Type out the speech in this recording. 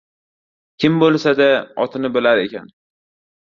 — Kim bo‘lsa-da, otni bilar ekan.